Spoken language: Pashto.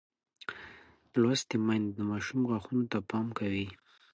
لوستې میندې د ماشوم غاښونو ته پام کوي.